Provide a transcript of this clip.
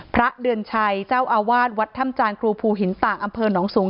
พระเดือนไชท์เจ้าอาวาสวัดทำจานพูหินต่างอำเภอนองศูนย์